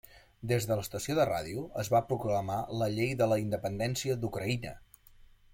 Des de l'estació de ràdio, es va proclamar la Llei de la Independència d'Ucraïna.